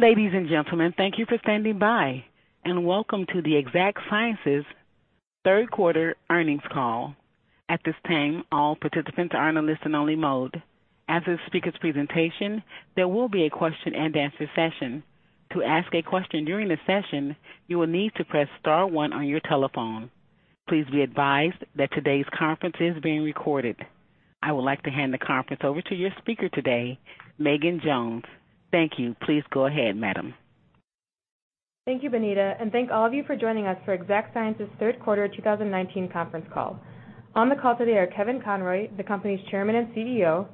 Ladies and gentlemen, thank you for standing by and welcome to the Exact Sciences third quarter earnings call. At this time, all participants are in a listen only mode. After the speaker's presentation, there will be a question and answer session. To ask a question during the session, you will need to press star one on your telephone. Please be advised that today's conference is being recorded. I would like to hand the conference over to your speaker today, Megan Jones. Thank you. Please go ahead, madam. Thank you, Bonita, and thank all of you for joining us for Exact Sciences third quarter 2019 conference call. On the call today are Kevin Conroy, the company's chairman and CEO,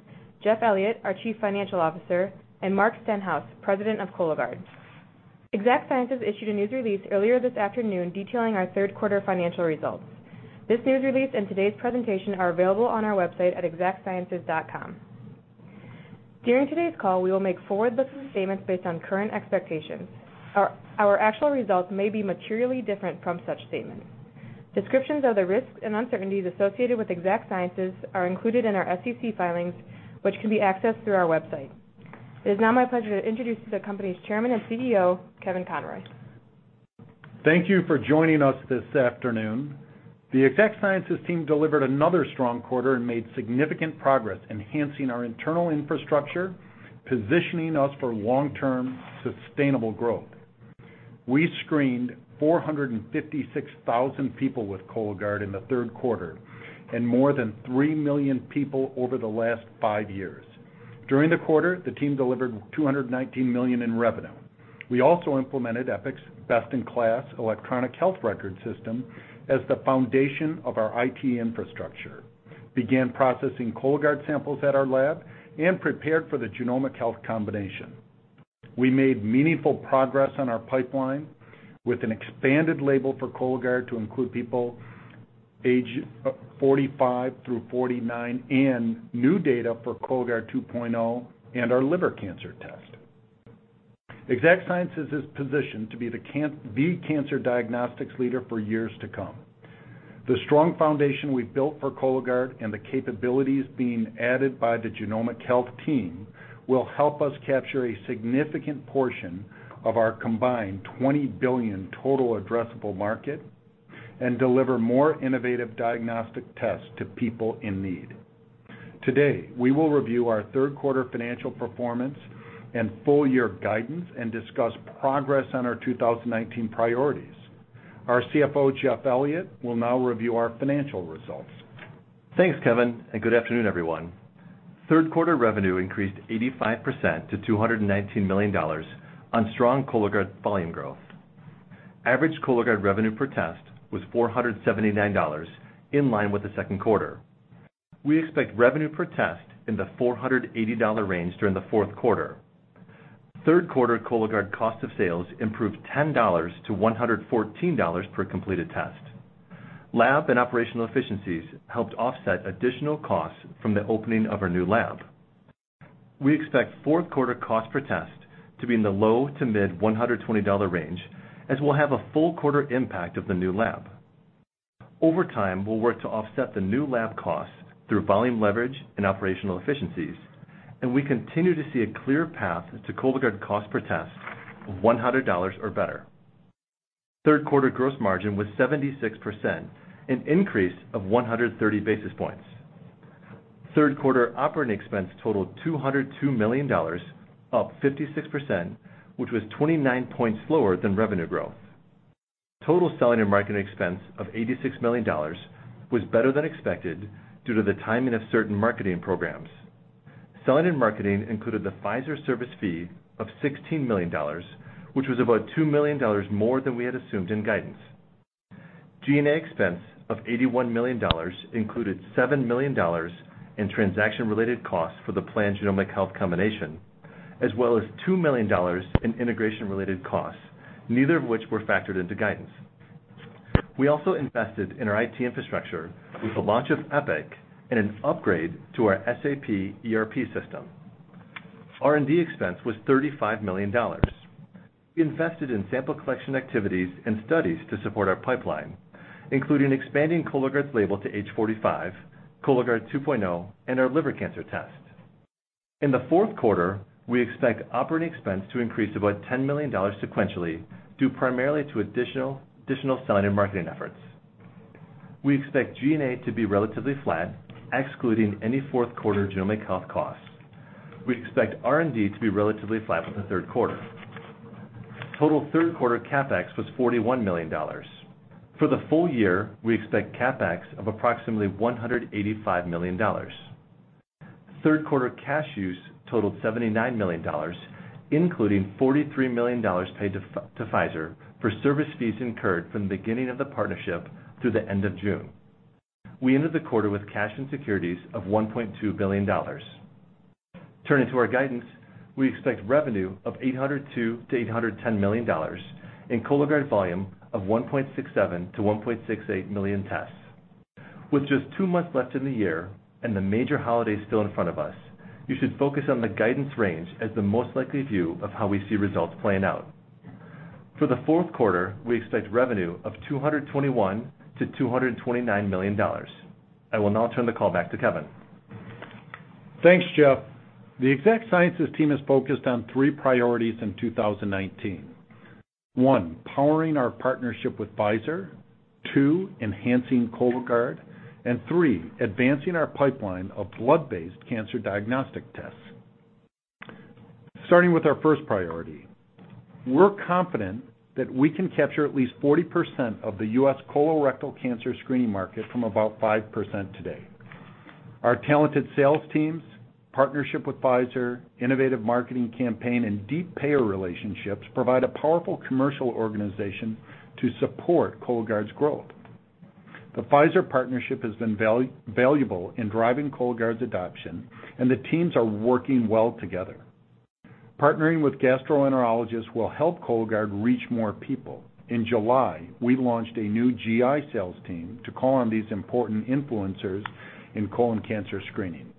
Jeff Elliott, our chief financial officer, and Mark Stenhouse, President of Cologuard. Exact Sciences issued a news release earlier this afternoon detailing our third quarter financial results. This news release and today's presentation are available on our website at exactsciences.com. During today's call, we will make forward-looking statements based on current expectations. Our actual results may be materially different from such statements. Descriptions of the risks and uncertainties associated with Exact Sciences are included in our SEC filings, which can be accessed through our website. It is now my pleasure to introduce the company's chairman and CEO, Kevin Conroy. Thank you for joining us this afternoon. The Exact Sciences team delivered another strong quarter and made significant progress enhancing our internal infrastructure, positioning us for long-term sustainable growth. We screened 456,000 people with Cologuard in the third quarter and more than 3 million people over the last five years. During the quarter, the team delivered $219 million in revenue. We also implemented Epic's best-in-class electronic health record system as the foundation of our IT infrastructure, began processing Cologuard samples at our lab, and prepared for the Genomic Health combination. We made meaningful progress on our pipeline with an expanded label for Cologuard to include people age 45 through 49 and new data for Cologuard 2.0 and our liver cancer test. Exact Sciences is positioned to be the cancer diagnostics leader for years to come. The strong foundation we've built for Cologuard and the capabilities being added by the Genomic Health team will help us capture a significant portion of our combined $20 billion total addressable market and deliver more innovative diagnostic tests to people in need. Today, we will review our third quarter financial performance and full year guidance and discuss progress on our 2019 priorities. Our CFO, Jeff Elliott, will now review our financial results. Thanks, Kevin. Good afternoon, everyone. Third quarter revenue increased 85% to $219 million on strong Cologuard volume growth. Average Cologuard revenue per test was $479, in line with the second quarter. We expect revenue per test in the $480 range during the fourth quarter. Third quarter Cologuard cost of sales improved $10 to $114 per completed test. Lab and operational efficiencies helped offset additional costs from the opening of our new lab. We expect fourth quarter cost per test to be in the low to mid $120 range, as we'll have a full quarter impact of the new lab. Over time, we'll work to offset the new lab costs through volume leverage and operational efficiencies. We continue to see a clear path to Cologuard cost per test of $100 or better. Third quarter gross margin was 76%, an increase of 130 basis points. Third quarter operating expense totaled $202 million, up 56%, which was 29 points lower than revenue growth. Total selling and marketing expense of $86 million was better than expected due to the timing of certain marketing programs. Selling and marketing included the Pfizer service fee of $16 million, which was about $2 million more than we had assumed in guidance. G&A expense of $81 million included $7 million in transaction related costs for the planned Genomic Health combination, as well as $2 million in integration related costs, neither of which were factored into guidance. We also invested in our IT infrastructure with the launch of Epic and an upgrade to our SAP ERP system. R&D expense was $35 million. We invested in sample collection activities and studies to support our pipeline, including expanding Cologuard's label to age 45, Cologuard 2.0, and our liver cancer test. In the fourth quarter, we expect operating expense to increase about $10 million sequentially, due primarily to additional selling and marketing efforts. We expect G&A to be relatively flat, excluding any fourth quarter Genomic Health costs. We expect R&D to be relatively flat with the third quarter. Total third quarter CapEx was $41 million. For the full year, we expect CapEx of approximately $185 million. Third quarter cash use totaled $79 million, including $43 million paid to Pfizer for service fees incurred from the beginning of the partnership through the end of June. We ended the quarter with cash and securities of $1.2 billion. Turning to our guidance, we expect revenue of $802 million-$810 million in Cologuard volume of 1.67 million-1.68 million tests. With just two months left in the year and the major holidays still in front of us, you should focus on the guidance range as the most likely view of how we see results playing out. For the fourth quarter, we expect revenue of $221 million-$229 million. I will now turn the call back to Kevin. Thanks, Jeff. The Exact Sciences team is focused on three priorities in 2019. One, powering our partnership with Pfizer. Two, enhancing Cologuard. Three, advancing our pipeline of blood-based cancer diagnostic tests. Starting with our first priority. We're confident that we can capture at least 40% of the U.S. colorectal cancer screening market from about 5% today. Our talented sales teams, partnership with Pfizer, innovative marketing campaign, and deep payer relationships provide a powerful commercial organization to support Cologuard's growth. The Pfizer partnership has been valuable in driving Cologuard's adoption, and the teams are working well together. Partnering with gastroenterologists will help Cologuard reach more people. In July, we launched a new GI sales team to call on these important influencers in colon cancer screening.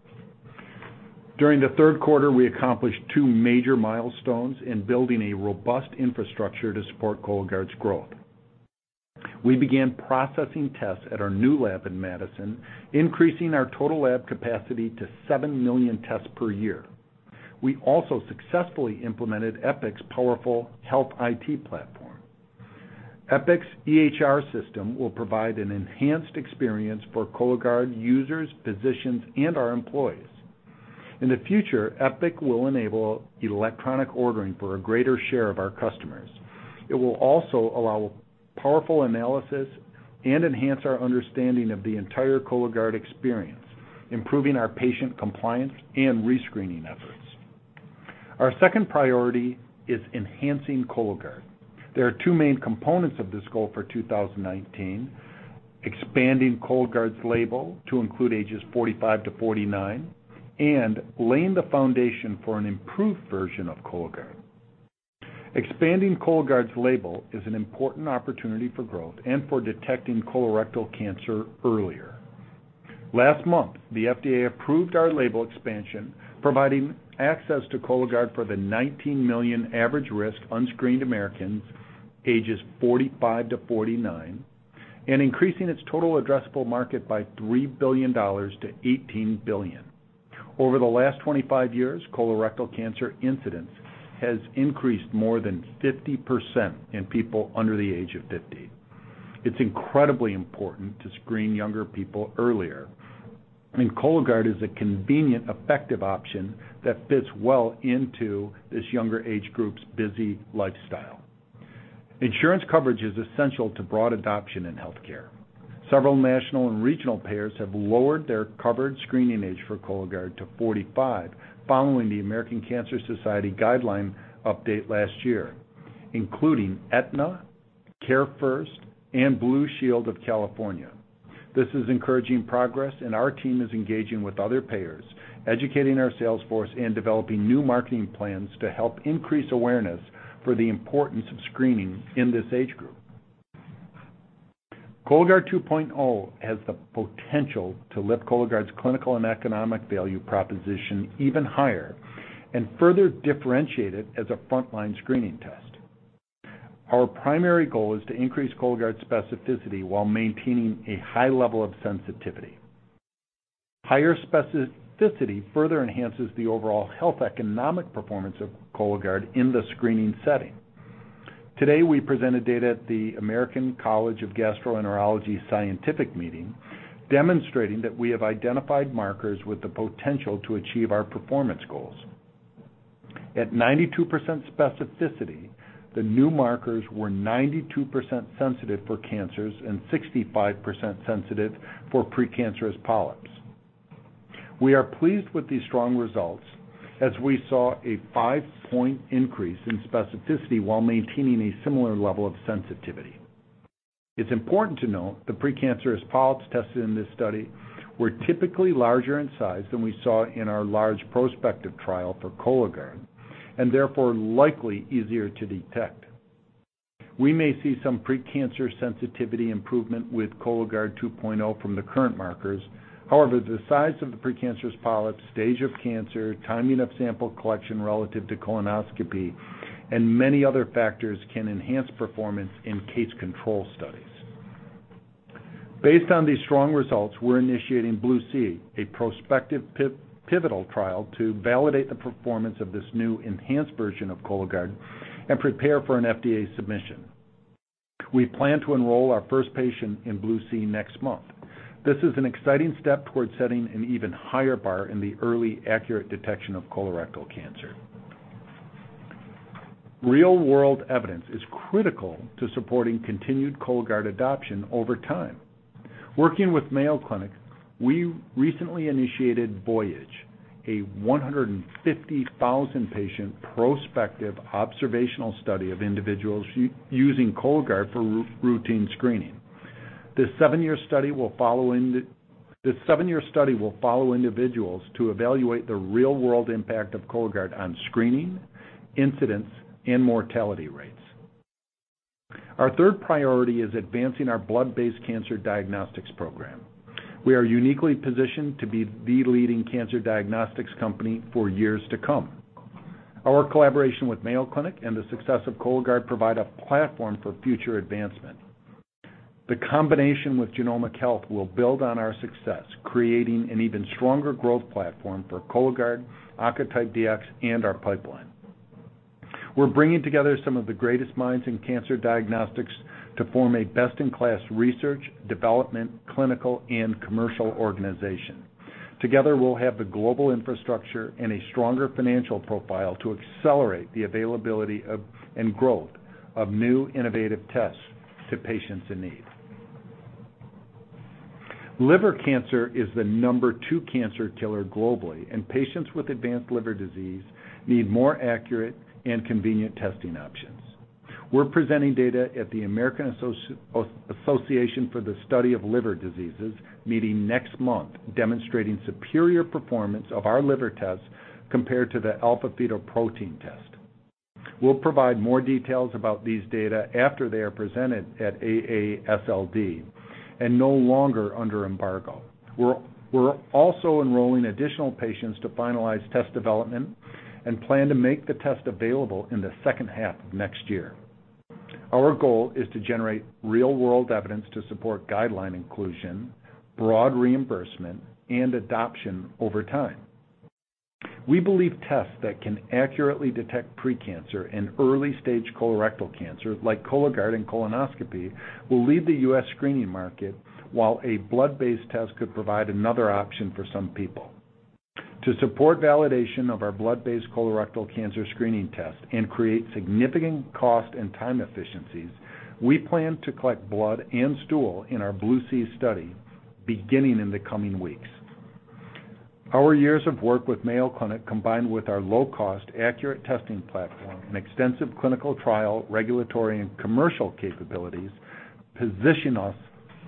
During the third quarter, we accomplished two major milestones in building a robust infrastructure to support Cologuard's growth. We began processing tests at our new lab in Madison, increasing our total lab capacity to 7 million tests per year. We also successfully implemented Epic's powerful health IT platform. Epic's EHR system will provide an enhanced experience for Cologuard users, physicians, and our employees. In the future, Epic will enable electronic ordering for a greater share of our customers. It will also allow powerful analysis and enhance our understanding of the entire Cologuard experience, improving our patient compliance and rescreening efforts. Our second priority is enhancing Cologuard. There are two main components of this goal for 2019, expanding Cologuard's label to include ages 45 to 49 and laying the foundation for an improved version of Cologuard. Expanding Cologuard's label is an important opportunity for growth and for detecting colorectal cancer earlier. Last month, the FDA approved our label expansion, providing access to Cologuard for the 19 million average-risk unscreened Americans ages 45 to 49 and increasing its total addressable market by $3 billion to $18 billion. Over the last 25 years, colorectal cancer incidence has increased more than 50% in people under the age of 50. It's incredibly important to screen younger people earlier, and Cologuard is a convenient, effective option that fits well into this younger age group's busy lifestyle. Insurance coverage is essential to broad adoption in healthcare. Several national and regional payers have lowered their covered screening age for Cologuard to 45 following the American Cancer Society guideline update last year, including Aetna, CareFirst, and Blue Shield of California. This is encouraging progress. Our team is engaging with other payers, educating our sales force, and developing new marketing plans to help increase awareness for the importance of screening in this age group. Cologuard 2.0 has the potential to lift Cologuard's clinical and economic value proposition even higher and further differentiate it as a frontline screening test. Our primary goal is to increase Cologuard's specificity while maintaining a high level of sensitivity. Higher specificity further enhances the overall health economic performance of Cologuard in the screening setting. Today, we presented data at the American College of Gastroenterology's scientific meeting demonstrating that we have identified markers with the potential to achieve our performance goals. At 92% specificity, the new markers were 92% sensitive for cancers and 65% sensitive for precancerous polyps. We are pleased with these strong results as we saw a five-point increase in specificity while maintaining a similar level of sensitivity. It's important to note the precancerous polyps tested in this study were typically larger in size than we saw in our large prospective trial for Cologuard and therefore likely easier to detect. We may see some precancer sensitivity improvement with Cologuard 2.0 from the current markers. However, the size of the precancerous polyps, stage of cancer, timing of sample collection relative to colonoscopy, and many other factors can enhance performance in case-control studies. Based on these strong results, we're initiating BLUE-C, a prospective pivotal trial to validate the performance of this new enhanced version of Cologuard and prepare for an FDA submission. We plan to enroll our first patient in BLUE-C next month. This is an exciting step towards setting an even higher bar in the early accurate detection of colorectal cancer. Real-world evidence is critical to supporting continued Cologuard adoption over time. Working with Mayo Clinic, we recently initiated Voyage, a 150,000-patient prospective observational study of individuals using Cologuard for routine screening. This seven-year study will follow individuals to evaluate the real-world impact of Cologuard on screening, incidence, and mortality rates. Our third priority is advancing our blood-based cancer diagnostics program. We are uniquely positioned to be the leading cancer diagnostics company for years to come. Our collaboration with Mayo Clinic and the success of Cologuard provide a platform for future advancement. The combination with Genomic Health will build on our success, creating an even stronger growth platform for Cologuard, Oncotype DX, and our pipeline. We're bringing together some of the greatest minds in cancer diagnostics to form a best-in-class research, development, clinical, and commercial organization. Together, we'll have the global infrastructure and a stronger financial profile to accelerate the availability and growth of new innovative tests to patients in need. Liver cancer is the number two cancer killer globally, and patients with advanced liver disease need more accurate and convenient testing options. We're presenting data at the American Association for the Study of Liver Diseases meeting next month, demonstrating superior performance of our liver tests compared to the alpha-fetoprotein test. We'll provide more details about these data after they are presented at AASLD and no longer under embargo. We're also enrolling additional patients to finalize test development and plan to make the test available in the second half of next year. Our goal is to generate real-world evidence to support guideline inclusion, broad reimbursement, and adoption over time. We believe tests that can accurately detect pre-cancer and early-stage colorectal cancer, like Cologuard and colonoscopy, will lead the U.S. screening market, while a blood-based test could provide another option for some people. To support validation of our blood-based colorectal cancer screening test and create significant cost and time efficiencies, we plan to collect blood and stool in our BLUE-C study beginning in the coming weeks. Our years of work with Mayo Clinic, combined with our low-cost, accurate testing platform and extensive clinical trial, regulatory, and commercial capabilities, position us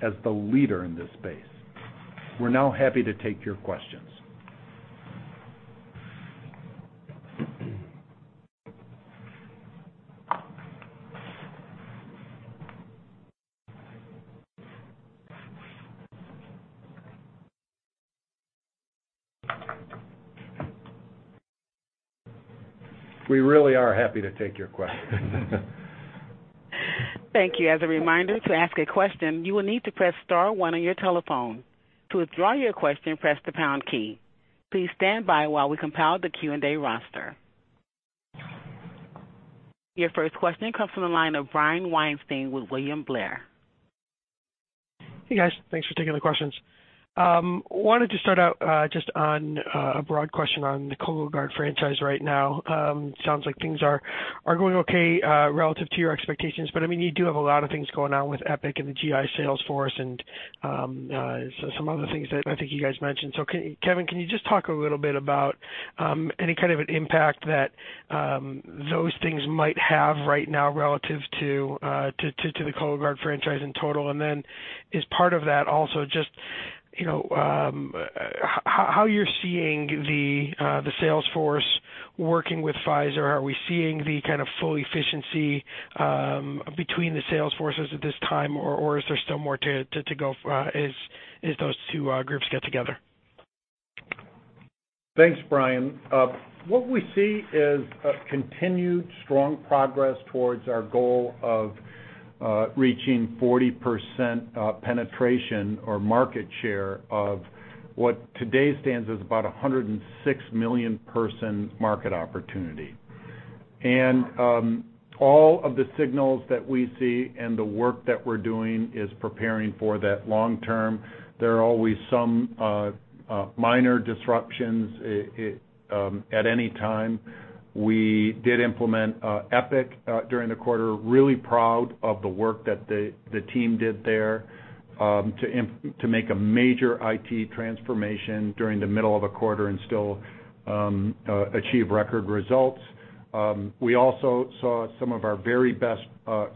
as the leader in this space. We're now happy to take your questions. We really are happy to take your questions. Thank you. As a reminder, to ask a question, you will need to press star one on your telephone. To withdraw your question, press the pound key. Please stand by while we compile the Q&A roster. Your first question comes from the line of Brian Weinstein with William Blair. Hey, guys. Thanks for taking the questions. Wanted to start out just on a broad question on the Cologuard franchise right now. Sounds like things are going okay relative to your expectations, but you do have a lot of things going on with Epic and the GI sales force and some other things that I think you guys mentioned. Kevin, can you just talk a little bit about any kind of an impact that those things might have right now relative to the Cologuard franchise in total? As part of that also, just how you're seeing the sales force working with Pfizer. Are we seeing the kind of full efficiency between the sales forces at this time, or is there still more to go as those two groups get together? Thanks, Brian. What we see is a continued strong progress towards our goal of reaching 40% penetration or market share of what today stands as about 106 million person market opportunity. All of the signals that we see and the work that we're doing is preparing for that long term. There are always some minor disruptions at any time. We did implement Epic during the quarter. Really proud of the work that the team did there to make a major IT transformation during the middle of a quarter and still achieve record results. We also saw some of our very best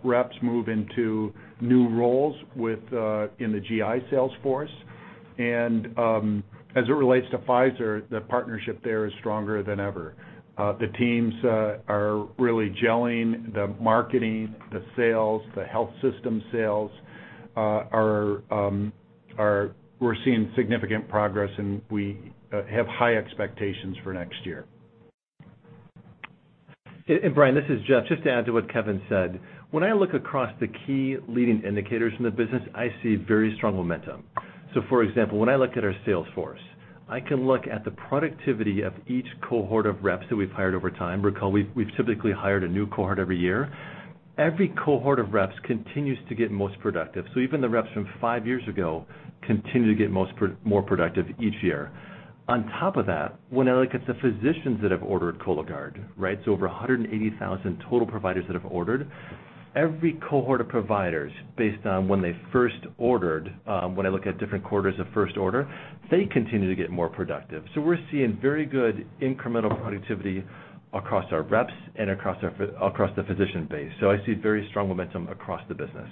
reps move into new roles in the GI sales force. As it relates to Pfizer, the partnership there is stronger than ever. The teams are really gelling. The marketing, the sales, the health system sales, we're seeing significant progress, and we have high expectations for next year. Brian, this is Jeff. Just to add to what Kevin said. When I look across the key leading indicators in the business, I see very strong momentum. For example, when I look at our sales force, I can look at the productivity of each cohort of reps that we've hired over time. Recall, we've typically hired a new cohort every year. Every cohort of reps continues to get most productive. Even the reps from five years ago continue to get more productive each year. On top of that, when I look at the physicians that have ordered Cologuard, over 180,000 total providers that have ordered. Every cohort of providers, based on when they first ordered, when I look at different quarters of first order, they continue to get more productive. We're seeing very good incremental productivity across our reps and across the physician base. I see very strong momentum across the business.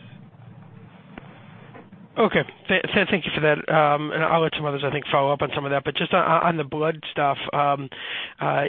Okay. Thank you for that. I'll let some others, I think, follow up on some of that. Just on the blood stuff, can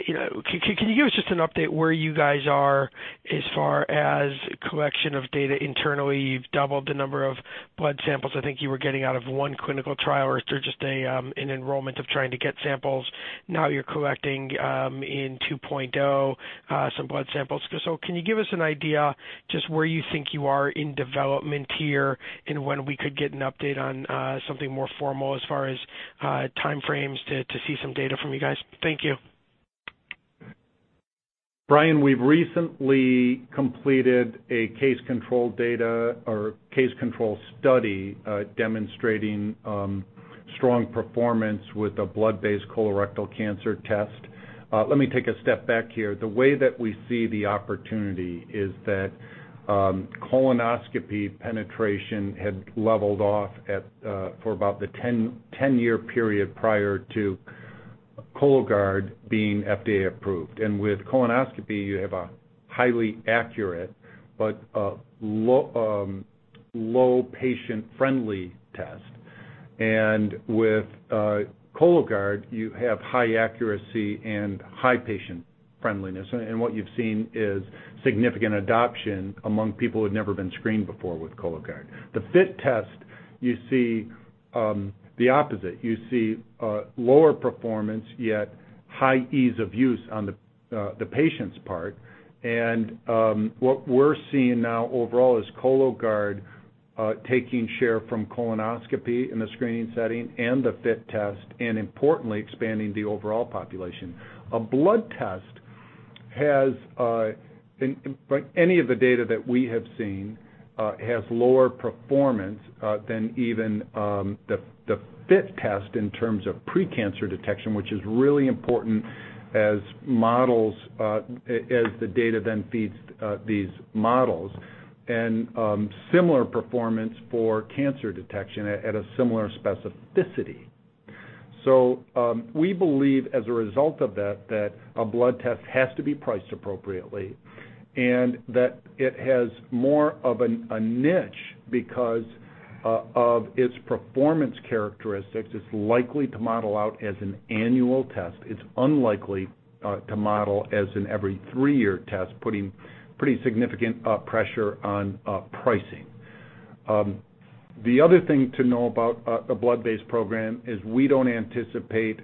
you give us just an update where you guys are as far as collection of data internally? You've doubled the number of blood samples I think you were getting out of one clinical trial, or through just an enrollment of trying to get samples. Now you're collecting in 2.0 some blood samples. Can you give us an idea just where you think you are in development here and when we could get an update on something more formal as far as time frames to see some data from you guys? Thank you. Brian, we've recently completed a case control data or case control study demonstrating strong performance with a blood-based colorectal cancer test. Let me take a step back here. The way that we see the opportunity is that colonoscopy penetration had leveled off for about the 10-year period prior to Cologuard being FDA approved. With colonoscopy, you have a highly accurate but low patient-friendly test. With Cologuard, you have high accuracy and high patient friendliness. What you've seen is significant adoption among people who've never been screened before with Cologuard. The FIT test, you see the opposite. You see lower performance, yet high ease of use on the patient's part. What we're seeing now overall is Cologuard taking share from colonoscopy in the screening setting and the FIT test, and importantly, expanding the overall population. A blood test has, any of the data that we have seen, has lower performance than even the FIT test in terms of pre-cancer detection, which is really important as the data then feeds these models. Similar performance for cancer detection at a similar specificity. We believe as a result of that a blood test has to be priced appropriately and that it has more of a niche because of its performance characteristics. It's likely to model out as an annual test. It's unlikely to model as an every three-year test, putting pretty significant pressure on pricing. The other thing to know about a blood-based program is we don't anticipate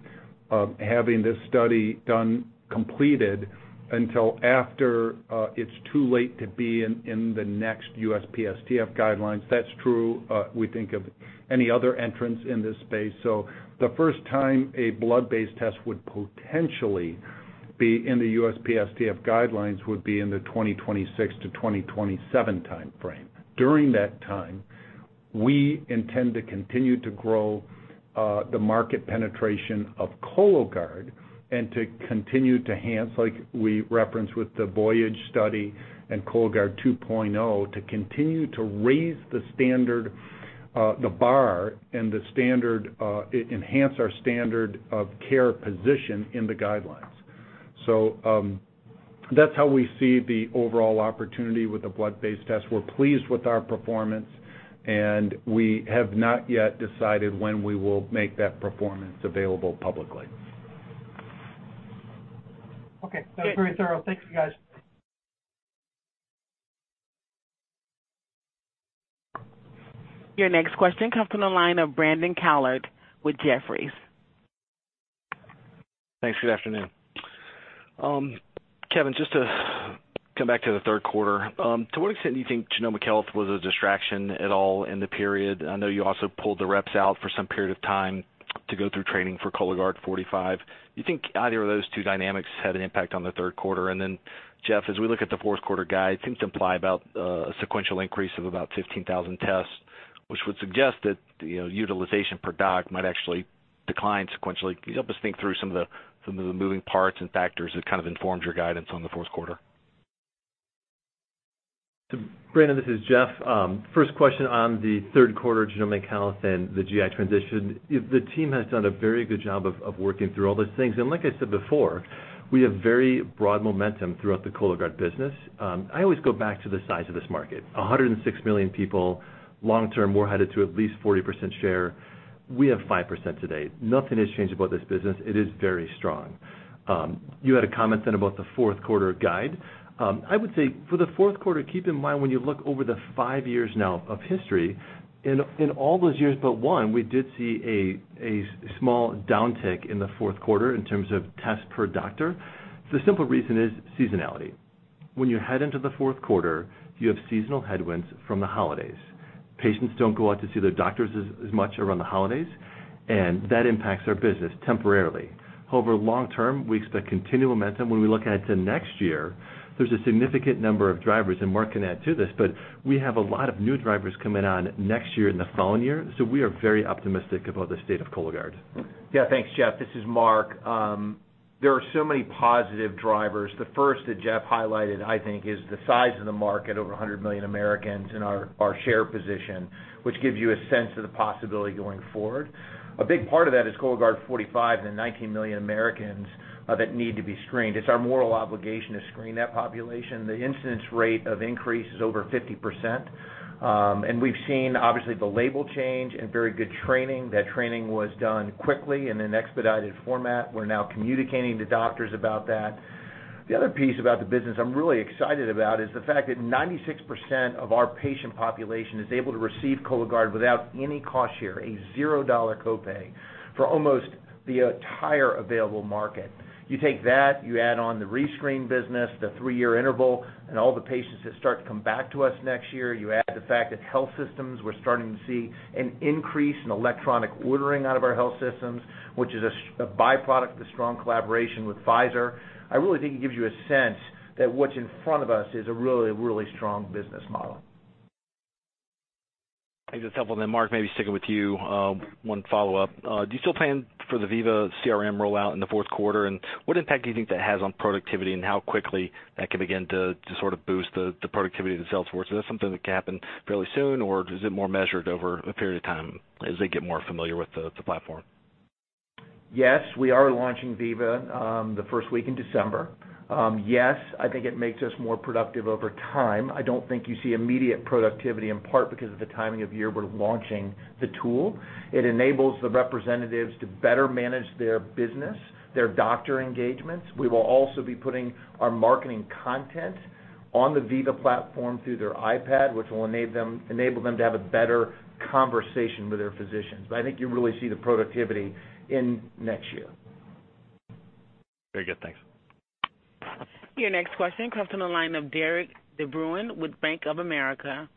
having this study done, completed until after it's too late to be in the next USPSTF guidelines. That's true we think of any other entrants in this space. The first time a blood-based test would potentially be in the USPSTF guidelines would be in the 2026 to 2027 time frame. During that time, we intend to continue to grow the market penetration of Cologuard and to continue to enhance, like we referenced with the Voyage study and Cologuard 2.0, to continue to raise the standard, the bar and enhance our standard of care position in the guidelines. That's how we see the overall opportunity with the blood-based test. We're pleased with our performance, and we have not yet decided when we will make that performance available publicly. Okay. That was very thorough. Thank you, guys. Your next question comes from the line of Brandon Couillard with Jefferies. Thanks. Good afternoon. Kevin, just to come back to the third quarter. To what extent do you think Genomic Health was a distraction at all in the period? I know you also pulled the reps out for some period of time to go through training for Cologuard 45. Do you think either of those two dynamics had an impact on the third quarter? Jeff, as we look at the fourth quarter guide, it seems to imply about a sequential increase of about 15,000 tests, which would suggest that utilization per doc might actually decline sequentially. Can you help us think through some of the moving parts and factors that kind of informed your guidance on the fourth quarter? Brandon, this is Jeff. First question on the third quarter Genomic Health and the GI transition. The team has done a very good job of working through all those things. Like I said before, we have very broad momentum throughout the Cologuard business. I always go back to the size of this market, 106 million people. Long term, we're headed to at least 40% share. We have 5% today. Nothing has changed about this business. It is very strong. You had a comment then about the fourth quarter guide. I would say for the fourth quarter, keep in mind when you look over the five years now of history, in all those years but one, we did see a small downtick in the fourth quarter in terms of tests per doctor. The simple reason is seasonality. When you head into the fourth quarter, you have seasonal headwinds from the holidays. Patients don't go out to see their doctors as much around the holidays. That impacts our business temporarily. Over long term, we expect continued momentum. When we look out to next year, there's a significant number of drivers. Mark can add to this. We have a lot of new drivers coming on next year and the following year. We are very optimistic about the state of Cologuard. Thanks, Jeff. This is Mark. There are so many positive drivers. The first that Jeff highlighted, I think, is the size of the market, over 100 million Americans, and our share position, which gives you a sense of the possibility going forward. A big part of that is Cologuard 45 and the 19 million Americans that need to be screened. It's our moral obligation to screen that population. The incidence rate of increase is over 50%, and we've seen, obviously, the label change and very good training. That training was done quickly and in expedited format. We're now communicating to doctors about that. The other piece about the business I'm really excited about is the fact that 96% of our patient population is able to receive Cologuard without any cost share, a $0 copay for almost the entire available market. You take that, you add on the rescreen business, the three-year interval, and all the patients that start to come back to us next year. You add the fact that health systems, we're starting to see an increase in electronic ordering out of our health systems, which is a byproduct of the strong collaboration with Pfizer. I really think it gives you a sense that what's in front of us is a really, really strong business model. I think that's helpful. Mark, maybe sticking with you, one follow-up. Do you still plan for the Veeva CRM rollout in the fourth quarter? What impact do you think that has on productivity and how quickly that can begin to sort of boost the productivity of the sales force? Is that something that can happen fairly soon, or is it more measured over a period of time as they get more familiar with the platform? Yes, we are launching Veeva the first week in December. Yes, I think it makes us more productive over time. I don't think you see immediate productivity, in part because of the timing of year we're launching the tool. It enables the representatives to better manage their business, their doctor engagements. We will also be putting our marketing content on the Veeva platform through their iPad, which will enable them to have a better conversation with their physicians. I think you really see the productivity in next year. Very good. Thanks. Your next question comes from the line of Derik de Bruin with Bank of America.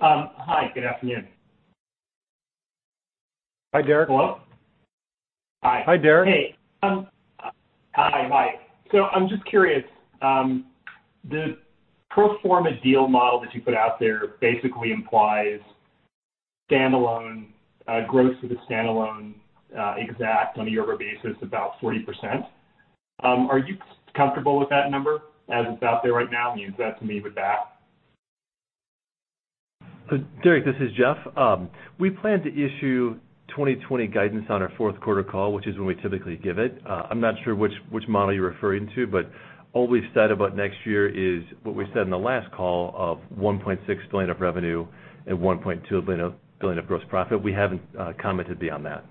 Hi. Good afternoon. Hi, Derik. Hello? Hi. Hi, Derik. Hey. Hi, Mark. I'm just curious, the pro forma deal model that you put out there basically implies gross of the standalone Exact on a year-over-year basis, about 40%. Are you comfortable with that number as it's out there right now when you present to me with that? Derik, this is Jeff. We plan to issue 2020 guidance on our fourth quarter call, which is when we typically give it. I'm not sure which model you're referring to, but all we've said about next year is what we said in the last call of $1.6 billion of revenue and $1.2 billion of gross profit. We haven't commented beyond that.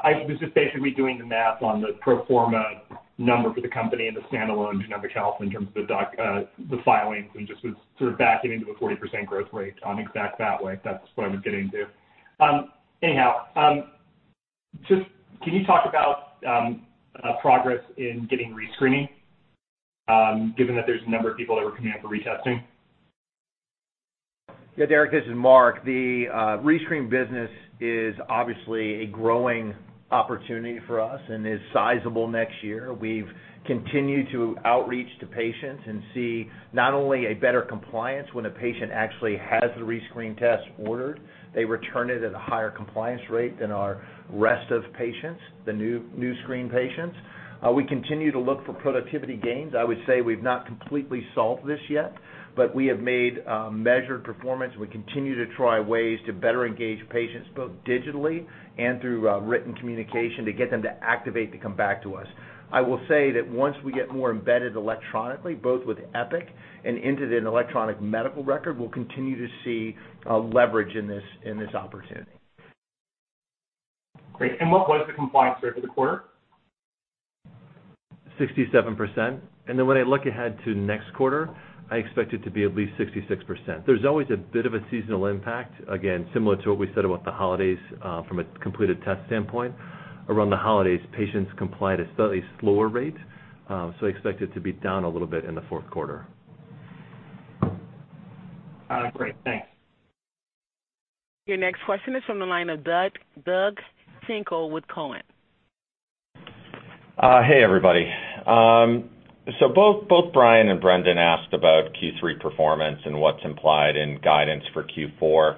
I was just basically doing the math on the pro forma number for the company and the standalone Genomic Health in terms of the filings and just was sort of backing into a 40% growth rate on Exact that way. That's what I was getting to. Anyhow, can you talk about progress in getting rescreening, given that there's a number of people that were coming in for retesting? Yeah, Derik, this is Mark. The rescreen business is obviously a growing opportunity for us and is sizable next year. We've continued to outreach to patients and see not only a better compliance when a patient actually has the rescreen test ordered. They return it at a higher compliance rate than our rest of patients, the new screen patients. We continue to look for productivity gains. I would say we've not completely solved this yet, but we have made measured performance. We continue to try ways to better engage patients, both digitally and through written communication to get them to activate to come back to us. I will say that once we get more embedded electronically, both with Epic and into an electronic medical record, we'll continue to see leverage in this opportunity. Great. What was the compliance rate for the quarter? 67%. When I look ahead to next quarter, I expect it to be at least 66%. There's always a bit of a seasonal impact, again, similar to what we said about the holidays from a completed test standpoint. Around the holidays, patients comply at a slightly slower rate. I expect it to be down a little bit in the fourth quarter. All right, great. Thanks. Your next question is from the line of Doug Schenkel with Cowen. Hey, everybody. Both Brian and Brandon asked about Q3 performance and what's implied in guidance for Q4.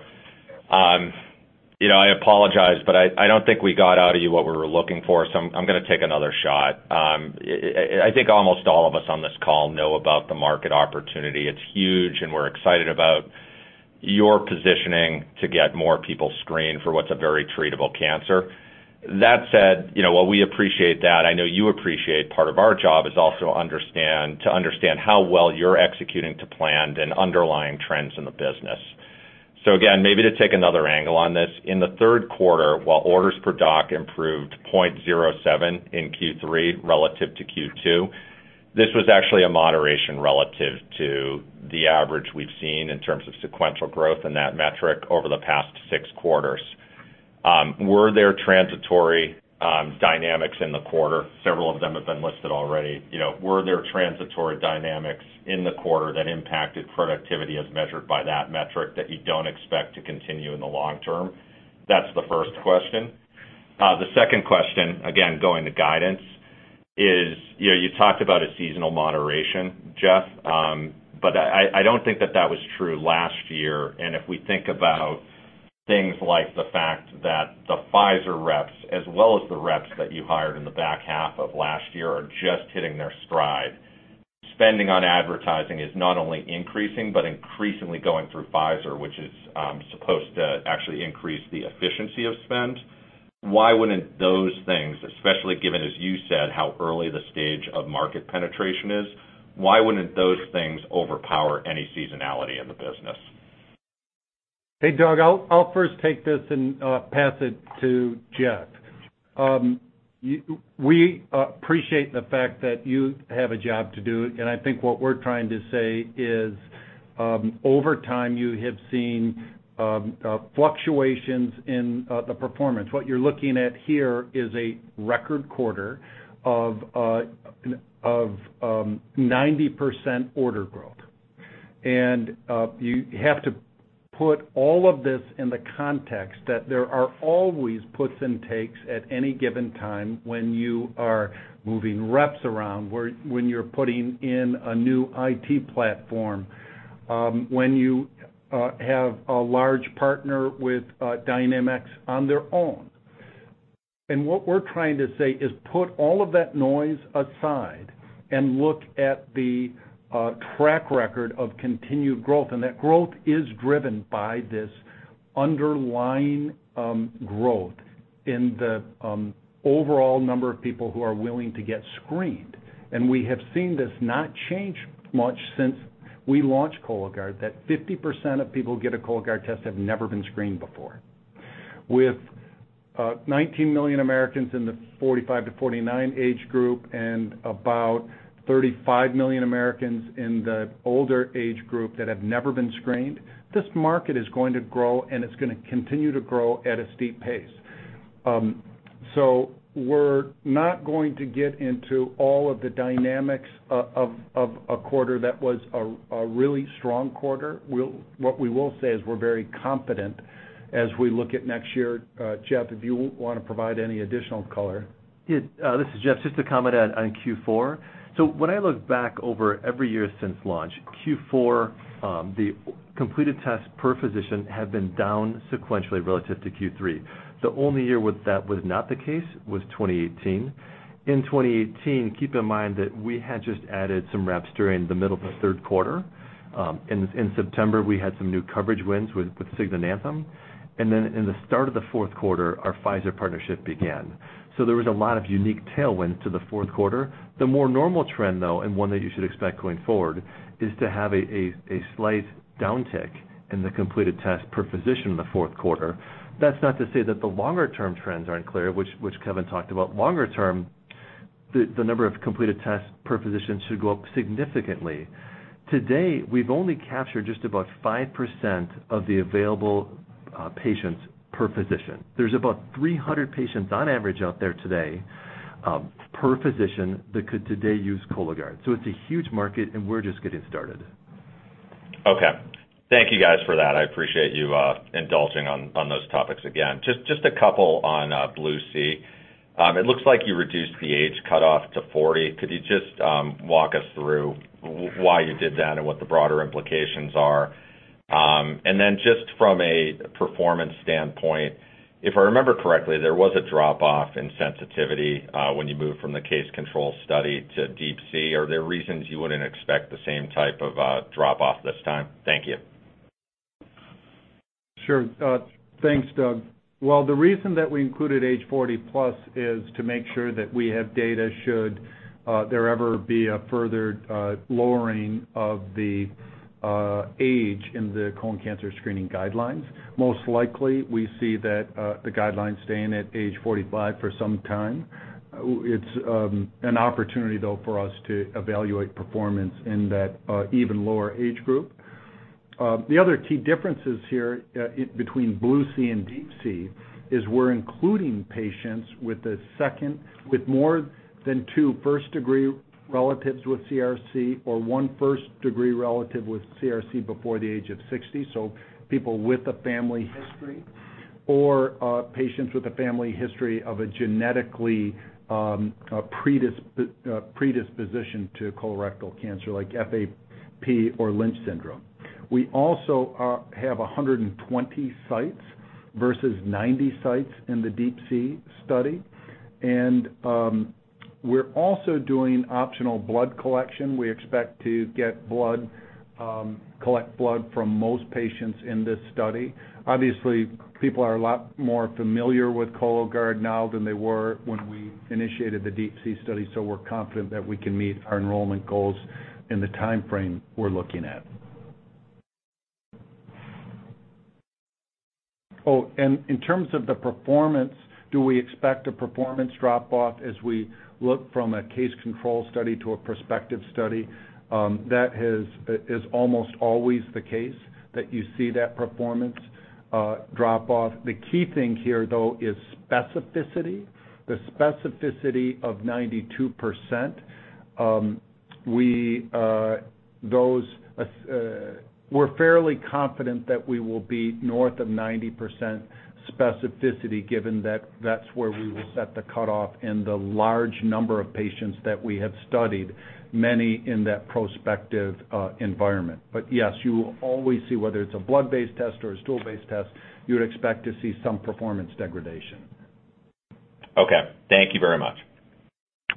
I apologize, but I don't think we got out of you what we were looking for, so I'm going to take another shot. I think almost all of us on this call know about the market opportunity. It's huge, and we're excited about your positioning to get more people screened for what's a very treatable cancer. That said, while we appreciate that, I know you appreciate part of our job is also to understand how well you're executing to plan and underlying trends in the business. Again, maybe to take another angle on this, in the third quarter, while orders per doc improved 0.07 in Q3 relative to Q2, this was actually a moderation relative to the average we've seen in terms of sequential growth in that metric over the past six quarters. Were there transitory dynamics in the quarter? Several of them have been listed already. Were there transitory dynamics in the quarter that impacted productivity as measured by that metric that you don't expect to continue in the long term? That's the first question. The second question, again, going to guidance is, you talked about a seasonal moderation, Jeff, but I don't think that that was true last year. If we think about things like the fact that the Pfizer reps, as well as the reps that you hired in the back half of last year, are just hitting their stride. Spending on advertising is not only increasing, but increasingly going through Pfizer, which is supposed to actually increase the efficiency of spend. Why wouldn't those things, especially given, as you said, how early the stage of market penetration is, why wouldn't those things overpower any seasonality in the business? Hey, Doug, I'll first take this and pass it to Jeff. We appreciate the fact that you have a job to do, I think what we're trying to say is, over time you have seen fluctuations in the performance. What you're looking at here is a record quarter of 90% order growth. You have to put all of this in the context that there are always puts and takes at any given time when you are moving reps around, when you're putting in a new IT platform, when you have a large partner with dynamics on their own. What we're trying to say is put all of that noise aside and look at the track record of continued growth, and that growth is driven by this underlying growth in the overall number of people who are willing to get screened. We have seen this not change much since we launched Cologuard, that 50% of people who get a Cologuard test have never been screened before. With 19 million Americans in the 45 to 49 age group and about 35 million Americans in the older age group that have never been screened, this market is going to grow, and it's going to continue to grow at a steep pace. We're not going to get into all of the dynamics of a quarter that was a really strong quarter. What we will say is we're very confident as we look at next year. Jeff, if you want to provide any additional color. This is Jeff. Just to comment on Q4. When I look back over every year since launch, Q4, the completed tests per physician have been down sequentially relative to Q3. The only year that was not the case was 2018. In 2018, keep in mind that we had just added some reps during the middle of the third quarter. In September, we had some new coverage wins with Cigna and Anthem. In the start of the fourth quarter, our Pfizer partnership began. There was a lot of unique tailwinds to the fourth quarter. The more normal trend, though, and one that you should expect going forward, is to have a slight downtick in the completed test per physician in the fourth quarter. That's not to say that the longer-term trends aren't clear, which Kevin talked about. Longer-term, the number of completed tests per physician should go up significantly. To date, we've only captured just about 5% of the available patients per physician. There's about 300 patients on average out there today, per physician, that could today use Cologuard. It's a huge market, and we're just getting started. Okay. Thank you guys for that. I appreciate you indulging on those topics again. A couple on BLUE-C. It looks like you reduced the age cutoff to 40. Could you just walk us through why you did that and what the broader implications are? From a performance standpoint, if I remember correctly, there was a drop-off in sensitivity when you moved from the case control study to DeeP-C. Are there reasons you wouldn't expect the same type of drop-off this time? Thank you. Sure. Thanks, Doug. The reason that we included age 40+ is to make sure that we have data should there ever be a further lowering of the age in the colorectal cancer screening guidelines. We see the guidelines staying at age 45 for some time. It's an opportunity, though, for us to evaluate performance in that even lower age group. The other key differences here between BLUE-C and DeeP-C is we're including patients with more than two first-degree relatives with CRC or one first-degree relative with CRC before the age of 60, so people with a family history, or patients with a family history of a genetic predisposition to colorectal cancer, like FAP or Lynch syndrome. We also have 120 sites versus 90 sites in the DeeP-C study, and we're also doing optional blood collection. We expect to collect blood from most patients in this study. Obviously, people are a lot more familiar with Cologuard now than they were when we initiated the DeeP-C study, so we're confident that we can meet our enrollment goals in the timeframe we're looking at. In terms of the performance, do we expect a performance drop-off as we look from a case control study to a prospective study? That is almost always the case that you see that performance drop-off. The key thing here, though, is specificity. The specificity of 92%. We're fairly confident that we will be north of 90% specificity, given that that's where we will set the cutoff in the large number of patients that we have studied, many in that prospective environment. Yes, you will always see, whether it's a blood-based test or a stool-based test, you would expect to see some performance degradation. Okay. Thank you very much.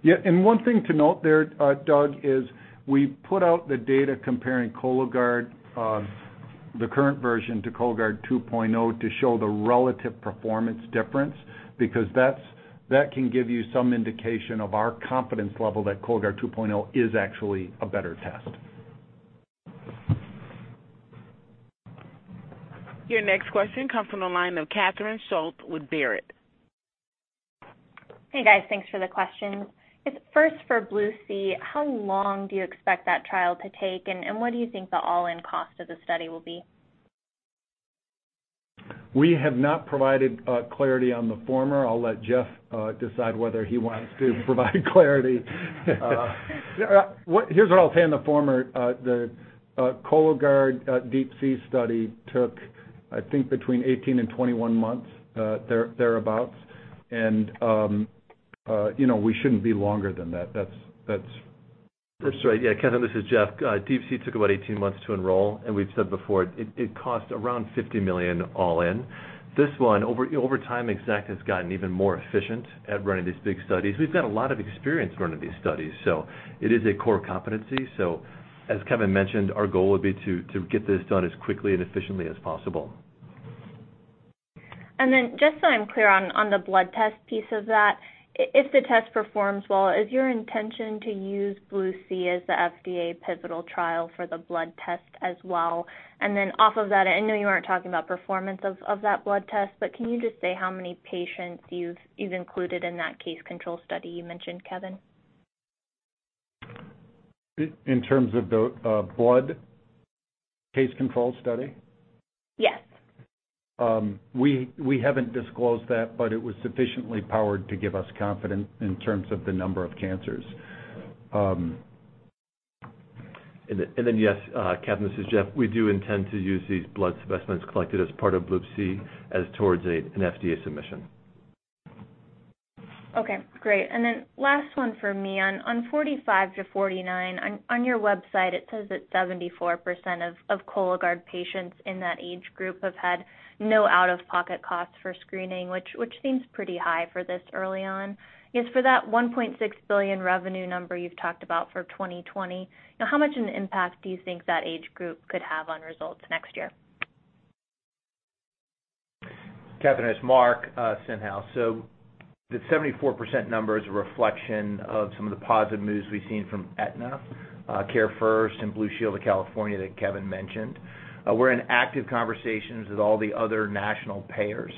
One thing to note there, Doug, is we put out the data comparing Cologuard, the current version, to Cologuard 2.0 to show the relative performance difference, because that can give you some indication of our confidence level that Cologuard 2.0 is actually a better test. Your next question comes from the line of Catherine Schulte with Baird. Hey, guys. Thanks for the questions. Just first for BLUE-C, how long do you expect that trial to take, and what do you think the all-in cost of the study will be? We have not provided clarity on the former. I'll let Jeff decide whether he wants to provide clarity. Here's what I'll say on the former. The Cologuard DeeP-C study took, I think, between 18 and 21 months, thereabout. We shouldn't be longer than that. That's right. Yeah, Catherine, this is Jeff. DeeP-C took about 18 months to enroll. We've said before, it cost around $50 million all in. This one, over time, Exact has gotten even more efficient at running these big studies. We've got a lot of experience running these studies. It is a core competency. As Kevin mentioned, our goal would be to get this done as quickly and efficiently as possible. Just so I'm clear on the blood test piece of that, if the test performs well, is your intention to use BLUE-C as the FDA pivotal trial for the blood test as well? Off of that, I know you weren't talking about performance of that blood test, but can you just say how many patients you've included in that case control study you mentioned, Kevin? In terms of the blood case control study? Yes. We haven't disclosed that, but it was sufficiently powered to give us confidence in terms of the number of cancers. Yes, Catherine, this is Jeff. We do intend to use these blood specimens collected as part of BLUE-C as towards an FDA submission. Okay, great. Last one for me. On 45-49, on your website, it says that 74% of Cologuard patients in that age group have had no out-of-pocket cost for screening, which seems pretty high for this early on. I guess, for that $1.6 billion revenue number you've talked about for 2020, how much of an impact do you think that age group could have on results next year? Catherine, it's Mark Stenhouse. The 74% number is a reflection of some of the positive moves we've seen from Aetna, CareFirst and Blue Shield of California that Kevin mentioned. We're in active conversations with all the other national payers.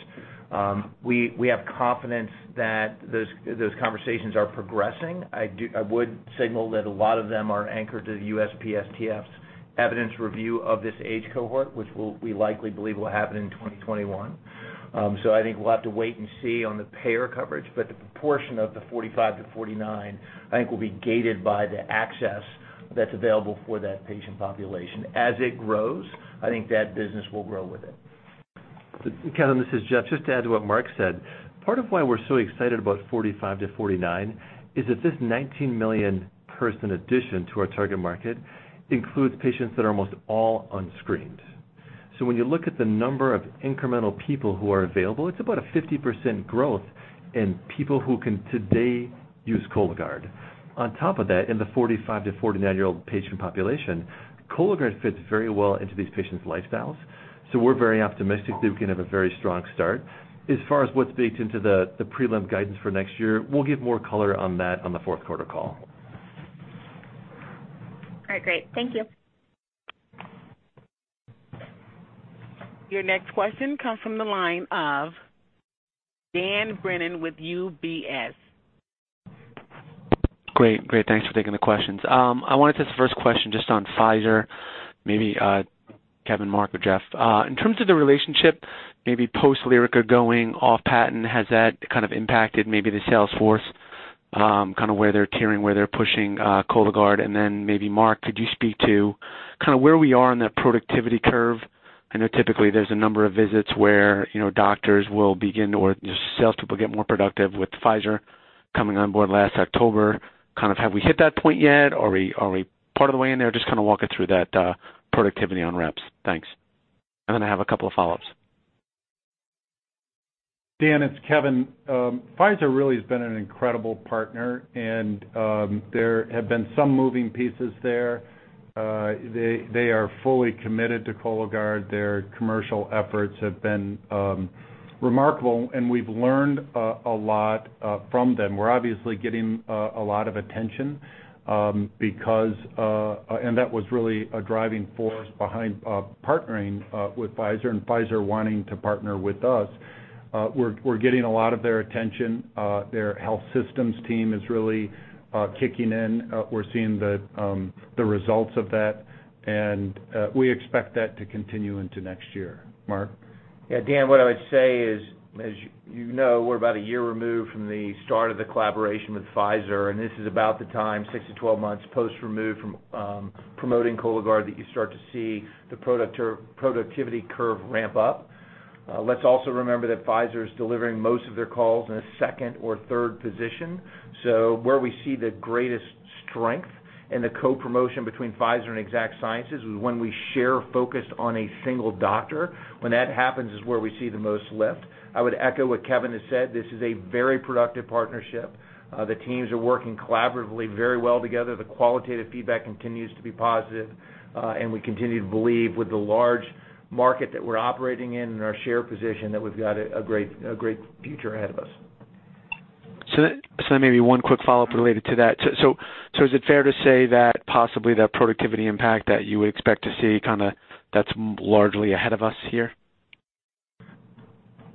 We have confidence that those conversations are progressing. I would signal that a lot of them are anchored to the USPSTF's evidence review of this age cohort, which we likely believe will happen in 2021. I think we'll have to wait and see on the payer coverage, but the proportion of the 45 to 49, I think, will be gated by the access that's available for that patient population. As it grows, I think that business will grow with it. Catherine, this is Jeff. Just to add to what Mark said, part of why we're so excited about 45 to 49 is that this 19 million-person addition to our target market includes patients that are almost all unscreened. When you look at the number of incremental people who are available, it's about a 50% growth in people who can today use Cologuard. On top of that, in the 45 to 49-year-old patient population, Cologuard fits very well into these patients' lifestyles. We're very optimistic that we can have a very strong start. As far as what's baked into the prelim guidance for next year, we'll give more color on that on the fourth quarter call. All right, great. Thank you. Your next question comes from the line of Dan Brennan with UBS. Great. Thanks for taking the questions. I wanted this first question just on Pfizer. Maybe Kevin, Mark, or Jeff. In terms of the relationship, maybe post-Lyrica going off patent, has that kind of impacted maybe the sales force, kind of where they're pushing Cologuard? Maybe Mark, could you speak to kind of where we are on that productivity curve? I know typically there's a number of visits where doctors will begin or just sales people get more productive with Pfizer coming on board last October. Kind of have we hit that point yet? Are we part of the way in there? Just kind of walk us through that productivity on reps. Thanks. I have a couple of follow-ups. Dan, it's Kevin. Pfizer really has been an incredible partner, and there have been some moving pieces there. They are fully committed to Cologuard. Their commercial efforts have been remarkable, and we've learned a lot from them. We're obviously getting a lot of attention, and that was really a driving force behind partnering with Pfizer and Pfizer wanting to partner with us. We're getting a lot of their attention. Their health systems team is really kicking in. We're seeing the results of that, and we expect that to continue into next year. Mark? Dan, what I would say is, as you know, we're about a year removed from the start of the collaboration with Pfizer, and this is about the time, 6-12 months post-removed from promoting Cologuard, that you start to see the productivity curve ramp up. Let's also remember that Pfizer is delivering most of their calls in a second or third position. Where we see the greatest strength in the co-promotion between Pfizer and Exact Sciences is when we share focus on a single doctor. When that happens is where we see the most lift. I would echo what Kevin has said. This is a very productive partnership. The teams are working collaboratively very well together. The qualitative feedback continues to be positive. We continue to believe with the large market that we're operating in and our share position, that we've got a great future ahead of us. Maybe one quick follow-up related to that. Is it fair to say that possibly the productivity impact that you would expect to see, that's largely ahead of us here?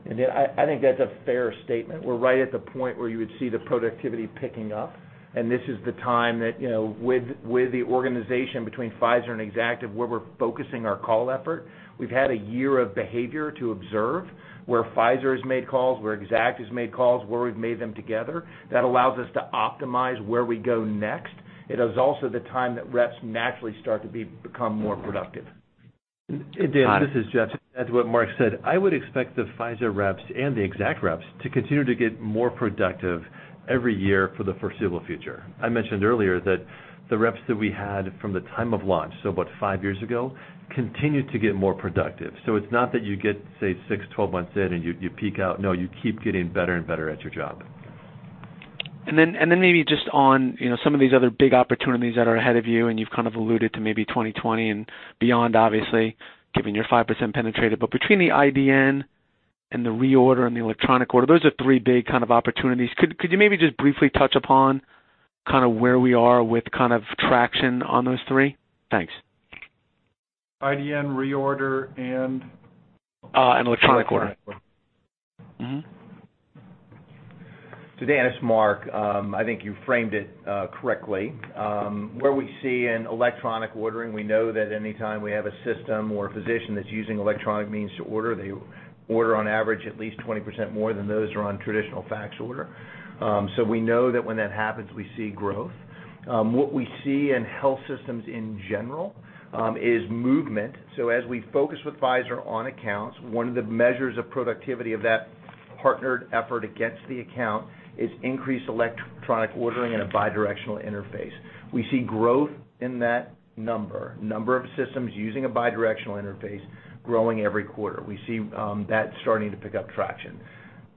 I think that's a fair statement. We're right at the point where you would see the productivity picking up, and this is the time that with the organization between Pfizer and Exact of where we're focusing our call effort. We've had a year of behavior to observe, where Pfizer has made calls, where Exact has made calls, where we've made them together. That allows us to optimize where we go next. It is also the time that reps naturally start to become more productive. Dan, this is Jeff. To add to what Mark said, I would expect the Pfizer reps and the Exact reps to continue to get more productive every year for the foreseeable future. I mentioned earlier that the reps that we had from the time of launch, so about five years ago, continue to get more productive. It's not that you get, say, six, 12 months in and you peak out. No, you keep getting better and better at your job. Maybe just on some of these other big opportunities that are ahead of you've kind of alluded to maybe 2020 and beyond, obviously, given your 5% penetrative. Between the IDN and the reorder and the electronic order, those are three big kind of opportunities. Could you maybe just briefly touch upon where we are with traction on those three? Thanks. IDN, reorder and? Electronic order. Mm-hmm. Dan, it's Mark. I think you framed it correctly. Where we see in electronic ordering, we know that anytime we have a system or a physician that's using electronic means to order, they order on average at least 20% more than those who are on traditional fax order. We know that when that happens, we see growth. What we see in health systems in general is movement. As we focus with Pfizer on accounts, one of the measures of productivity of that partnered effort against the account is increased electronic ordering and a bi-directional interface. We see growth in that number of systems using a bi-directional interface growing every quarter. We see that starting to pick up traction.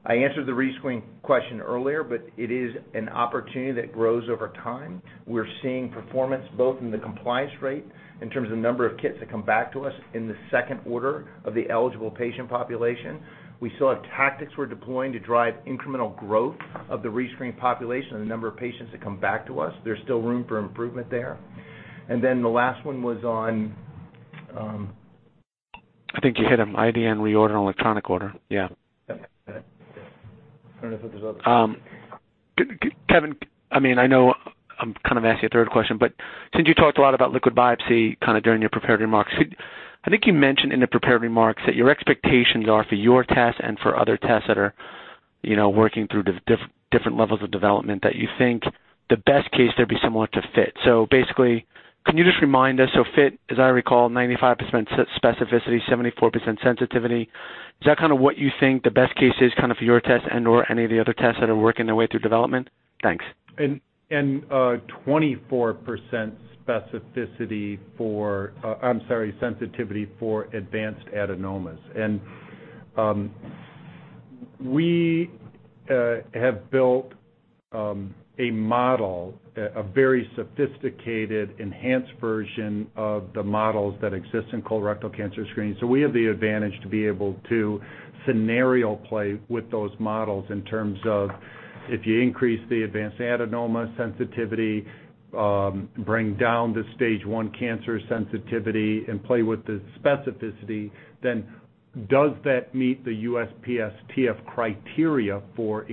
I answered the rescreen question earlier, but it is an opportunity that grows over time. We're seeing performance both in the compliance rate in terms of number of kits that come back to us in the second order of the eligible patient population. We still have tactics we're deploying to drive incremental growth of the rescreen population and the number of patients that come back to us. There's still room for improvement there. The last one was on. I think you hit them. IDN, reorder, and electronic order. Yeah. Okay. I don't know if there's others. Kevin, I know I'm kind of asking a third question, but since you talked a lot about liquid biopsy during your prepared remarks, I think you mentioned in the prepared remarks that your expectations are for your test and for other tests that are working through different levels of development that you think the best case they'll be similar to FIT. Basically, can you just remind us, so FIT, as I recall, 95% specificity, 74% sensitivity. Is that what you think the best case is for your test and/or any of the other tests that are working their way through development? Thanks. 24% sensitivity for advanced adenomas. We have built a model, a very sophisticated, enhanced version of the models that exist in colorectal cancer screening. We have the advantage to be able to scenario plan with those models in terms of if you increase the advanced adenoma sensitivity, bring down the stage 1 cancer sensitivity, play with the specificity, then does that meet the USPSTF criteria for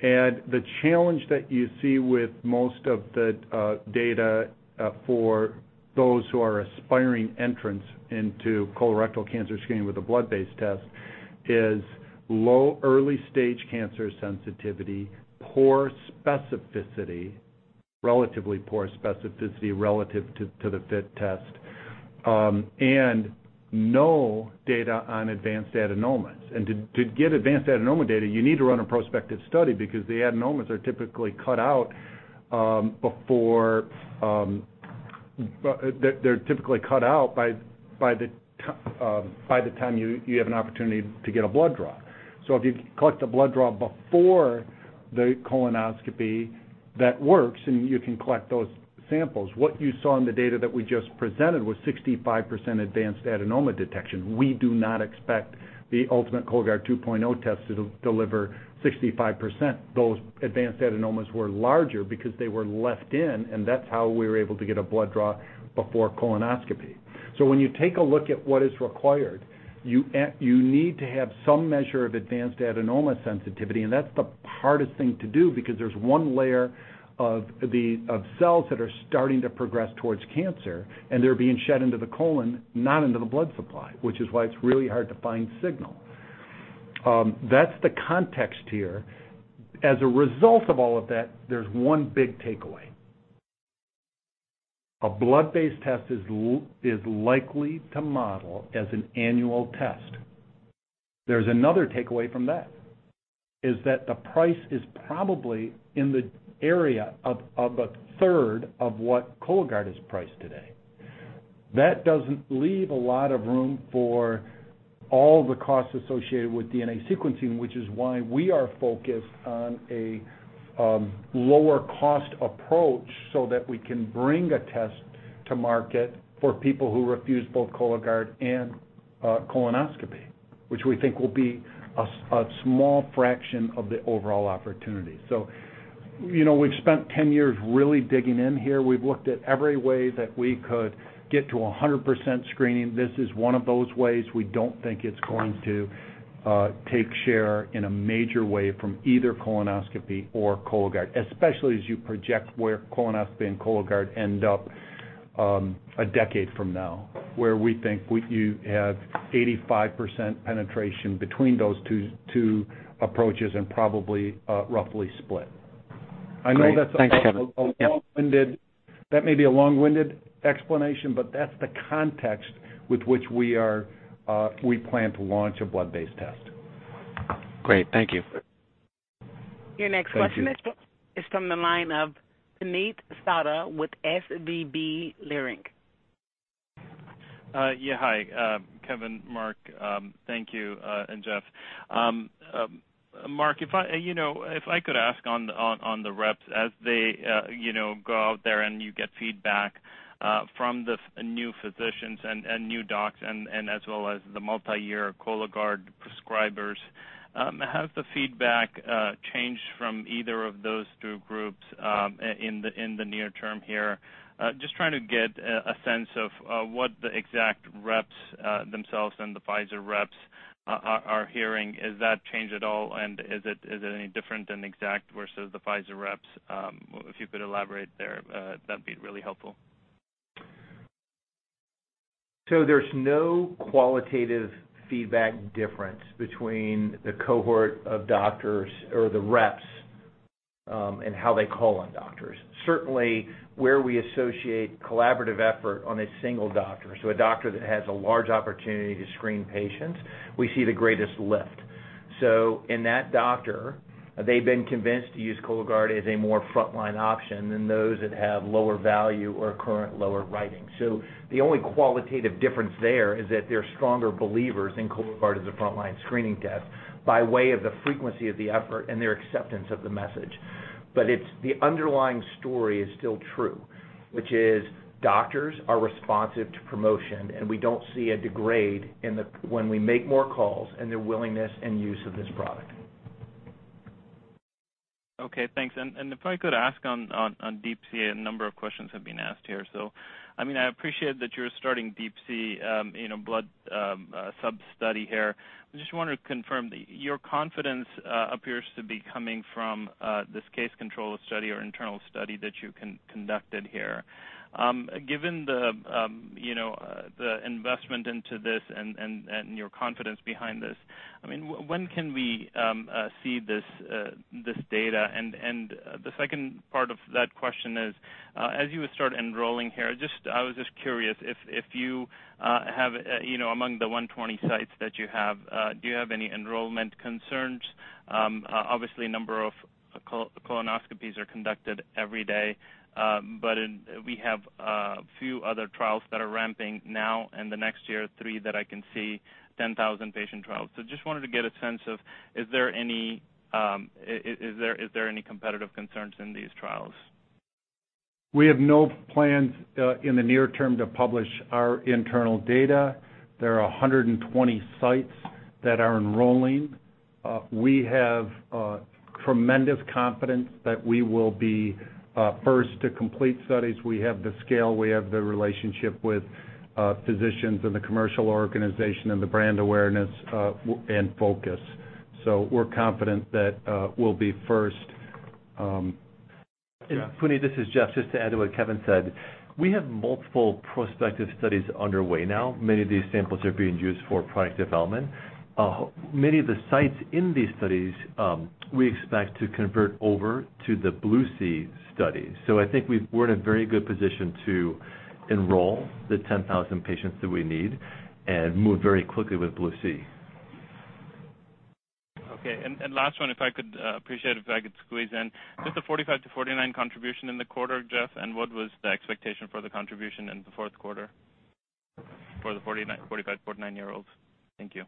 inclusion? The challenge that you see with most of the data for those who are aspiring entrants into colorectal cancer screening with a blood-based test is low early stage cancer sensitivity, poor specificity, relatively poor specificity relative to the FIT test, no data on advanced adenomas. To get advanced adenoma data, you need to run a prospective study because the adenomas are typically cut out by the time you have an opportunity to get a blood draw. If you collect a blood draw before the colonoscopy, that works, and you can collect those samples. What you saw in the data that we just presented was 65% advanced adenoma detection. We do not expect the ultimate Cologuard 2.0 test to deliver 65%. Those advanced adenomas were larger because they were left in, and that's how we were able to get a blood draw before colonoscopy. When you take a look at what is required, you need to have some measure of advanced adenoma sensitivity, and that's the hardest thing to do because there's one layer of cells that are starting to progress towards cancer, and they're being shed into the colon, not into the blood supply, which is why it's really hard to find signal. That's the context here. As a result of all of that, there's one big takeaway. A blood-based test is likely to model as an annual test. There's another takeaway from that, is that the price is probably in the area of a third of what Cologuard is priced today. That doesn't leave a lot of room for all the costs associated with DNA sequencing, which is why we are focused on a lower cost approach so that we can bring a test to market for people who refuse both Cologuard and colonoscopy, which we think will be a small fraction of the overall opportunity. We've spent 10 years really digging in here. We've looked at every way that we could get to 100% screening. This is one of those ways. We don't think it's going to take share in a major way from either colonoscopy or Cologuard, especially as you project where colonoscopy and Cologuard end up a decade from now, where we think you have 85% penetration between those two approaches and probably roughly split. Great. Thanks, Kevin. I know that may be a long-winded explanation, but that's the context with which we plan to launch a blood-based test. Great. Thank you. Your next question is from the line of Puneet Souda with SVB Leerink. Yeah, hi, Kevin, Mark. Thank you, and Jeff. Mark, if I could ask on the reps as they go out there and you get feedback from the new physicians and new docs and as well as the multi-year Cologuard prescribers, has the feedback changed from either of those two groups in the near term here? Just trying to get a sense of what the Exact reps themselves and the Pfizer reps are hearing. Has that changed at all? Is it any different than Exact versus the Pfizer reps? If you could elaborate there, that'd be really helpful. There's no qualitative feedback difference between the cohort of doctors or the reps, and how they call on doctors. Certainly, where we associate collaborative effort on a single doctor, so a doctor that has a large opportunity to screen patients, we see the greatest lift. In that doctor, they've been convinced to use Cologuard as a more frontline option than those that have lower value or current lower writing. The only qualitative difference there is that they're stronger believers in Cologuard as a frontline screening test by way of the frequency of the effort and their acceptance of the message. The underlying story is still true, which is doctors are responsive to promotion, and we don't see a degrade when we make more calls and their willingness and use of this product. Okay, thanks. If I could ask on DeeP-C, a number of questions have been asked here. I appreciate that you're starting DeeP-C blood sub-study here. I just want to confirm, your confidence appears to be coming from this case control study or internal study that you conducted here. Given the investment into this and your confidence behind this, when can we see this data? The second part of that question is, as you start enrolling here, I was just curious if you have among the 120 sites that you have, do you have any enrollment concerns? Obviously, a number of colonoscopies are conducted every day, but we have a few other trials that are ramping now and the next year, three that I can see, 10,000-patient trials. Just wanted to get a sense of, is there any competitive concerns in these trials? We have no plans in the near term to publish our internal data. There are 120 sites that are enrolling. We have tremendous confidence that we will be first to complete studies. We have the scale, we have the relationship with physicians and the commercial organization and the brand awareness and focus. We're confident that we'll be first. Puneet, this is Jeff. Just to add to what Kevin said, we have multiple prospective studies underway now. Many of these samples are being used for product development. Many of the sites in these studies we expect to convert over to the BLUE-C study. I think we're in a very good position to enroll the 10,000 patients that we need and move very quickly with BLUE-C. Okay. Last one, if I could, appreciate it if I could squeeze in. Just the 45-49 contribution in the quarter, Jeff, what was the expectation for the contribution in the fourth quarter for the 45, 49 year olds? Thank you.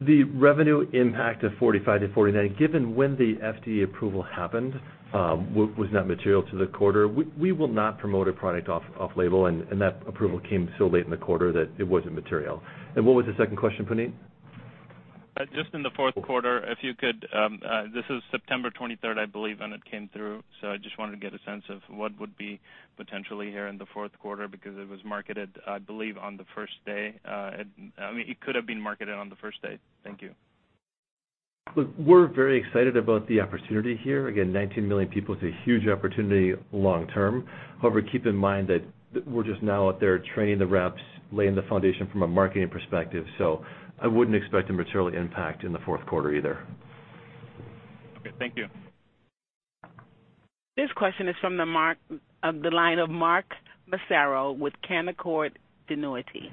The revenue impact of 45 to 49, given when the FDA approval happened, was not material to the quarter. We will not promote a product off label, and that approval came so late in the quarter that it wasn't material. What was the second question, Puneet? Just in the fourth quarter, if you could, this is September 23rd, I believe, when it came through. I just wanted to get a sense of what would be potentially here in the fourth quarter because it was marketed, I believe on the first day. It could have been marketed on the first day. Thank you. Look, we're very excited about the opportunity here. Again, 19 million people is a huge opportunity long term. However, keep in mind that we're just now out there training the reps, laying the foundation from a marketing perspective. I wouldn't expect a material impact in the fourth quarter either. Okay. Thank you. This question is from the line of Mark Massaro with Canaccord Genuity.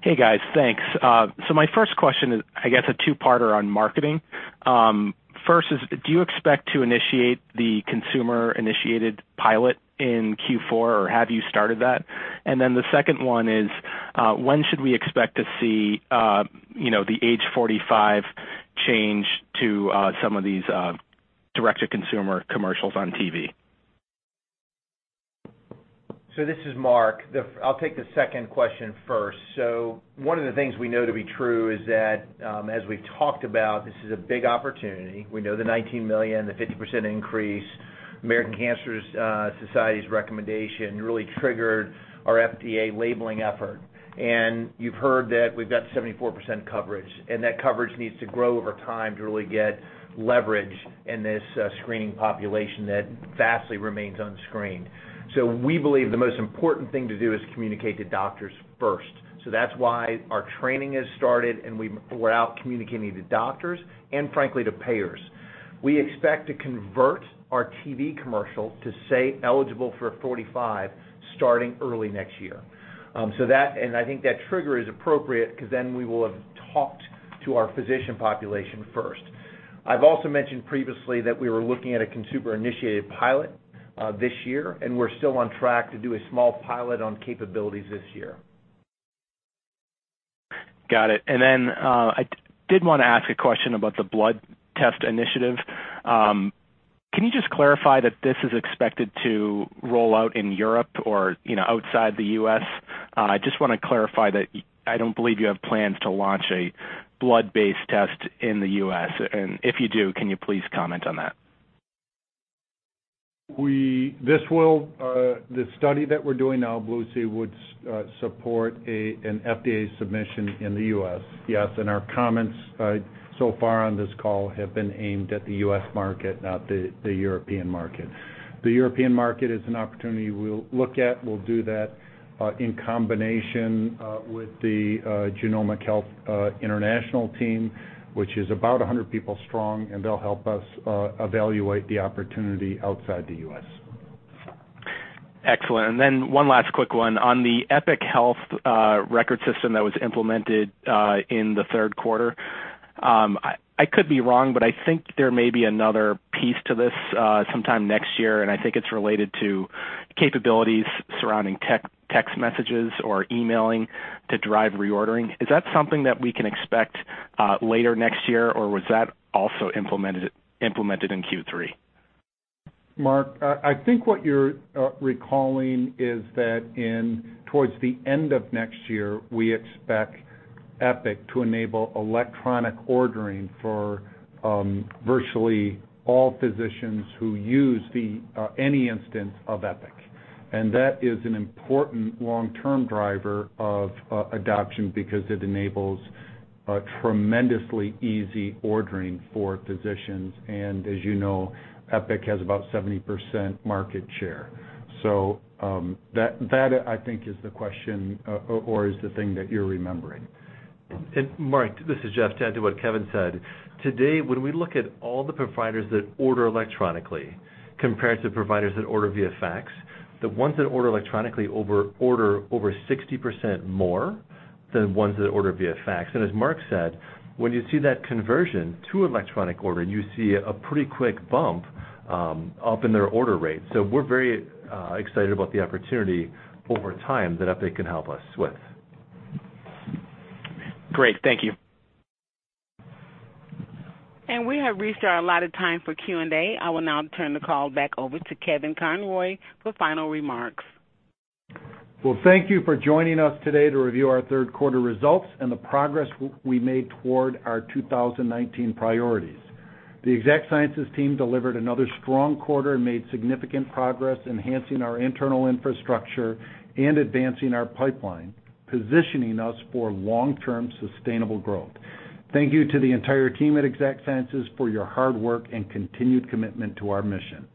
Hey, guys. Thanks. My first question is, I guess, a two-parter on marketing. First is, do you expect to initiate the consumer-initiated pilot in Q4, or have you started that? The second one is, when should we expect to see the age 45 change to some of these direct-to-consumer commercials on TV? This is Mark. I'll take the second question first. One of the things we know to be true is that, as we've talked about, this is a big opportunity. We know the 19 million, the 50% increase, American Cancer Society's recommendation really triggered our FDA labeling effort. You've heard that we've got 74% coverage, and that coverage needs to grow over time to really get leverage in this screening population that vastly remains unscreened. We believe the most important thing to do is communicate to doctors first. That's why our training has started and we're out communicating to doctors and frankly, to payers. We expect to convert our TV commercial to say eligible for 45 starting early next year. I think that trigger is appropriate because then we will have talked to our physician population first. I've also mentioned previously that we were looking at a consumer-initiated pilot this year, and we're still on track to do a small pilot on capabilities this year. Got it. I did want to ask a question about the blood test initiative. Can you just clarify that this is expected to roll out in Europe or outside the U.S.? I just want to clarify that I don't believe you have plans to launch a blood-based test in the U.S. If you do, can you please comment on that? The study that we're doing now, BLUE-C, would support an FDA submission in the U.S., yes. Our comments so far on this call have been aimed at the U.S. market, not the European market. The European market is an opportunity we'll look at. We'll do that in combination with the Genomic Health international team, which is about 100 people strong. They'll help us evaluate the opportunity outside the U.S. Excellent. One last quick one. On the Epic Health record system that was implemented in the third quarter, I could be wrong, but I think there may be another piece to this sometime next year, and I think it's related to capabilities surrounding text messages or emailing to drive reordering. Is that something that we can expect later next year, or was that also implemented in Q3? Mark, I think what you're recalling is that towards the end of next year, we expect Epic to enable electronic ordering for virtually all physicians who use any instance of Epic. That is an important long-term driver of adoption because it enables tremendously easy ordering for physicians. As you know, Epic has about 70% market share. That, I think, is the question or is the thing that you're remembering. Mark, this is Jeff. To add to what Kevin said, today, when we look at all the providers that order electronically compared to providers that order via fax, the ones that order electronically order over 60% more than ones that order via fax. As Mark said, when you see that conversion to electronic ordering, you see a pretty quick bump up in their order rate. We're very excited about the opportunity over time that Epic can help us with. Great. Thank you. We have reached our allotted time for Q&A. I will now turn the call back over to Kevin Conroy for final remarks. Well, thank you for joining us today to review our third quarter results and the progress we made toward our 2019 priorities. The Exact Sciences team delivered another strong quarter and made significant progress enhancing our internal infrastructure and advancing our pipeline, positioning us for long-term sustainable growth. Thank you to the entire team at Exact Sciences for your hard work and continued commitment to our mission.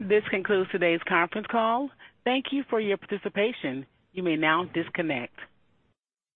This concludes today's conference call. Thank you for your participation. You may now disconnect.